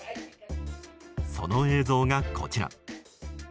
その映像がこちら。